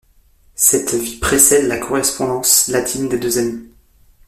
Cette vie précède la correspondance latine des deux amis.